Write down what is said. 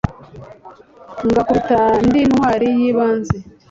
ngakubita ndi intwali yibanze